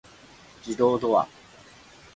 自動ドア